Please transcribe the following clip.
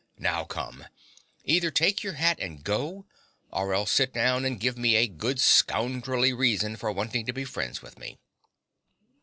Come now: either take your hat and go; or else sit down and give me a good scoundrelly reason for wanting to be friends with me.